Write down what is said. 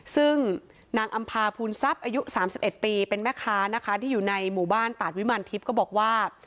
ซึ่งนางอำพาภูมิทรัพย์อายุ๓๑ปีเป็นแม่ค้านะคะที่อยู่ในหมู่บ้านตาดวิมารทิพย์ก็บอกว่า